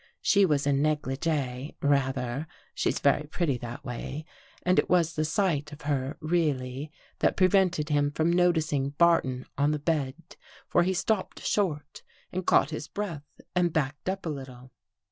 She was in negligee, rather, — she's very pretty that way — and it was the sight of her really that prevented him from noticing Bar ton on the bed, for he stopped short and caught his breath and backed up a little.